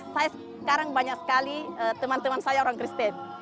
saya sekarang banyak sekali teman teman saya orang kristen